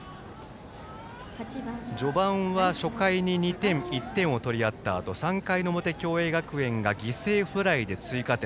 序盤は初回に２点、１点を取り合ったあと３回の表、共栄学園が犠牲フライで追加点。